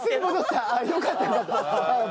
ああよかったよかった。